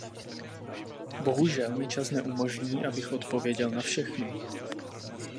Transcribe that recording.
Bohužel mi čas neumožní, abych odpověděl na všechny.